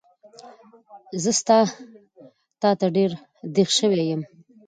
زه ستا تاته ډېر دیغ شوی یم